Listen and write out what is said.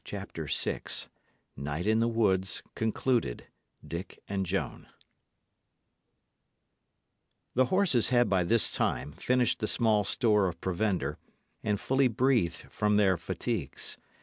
CHAPTER VI NIGHT IN THE WOODS (concluded): DICK AND JOAN The horses had by this time finished the small store of provender, and fully breathed from their fatigues.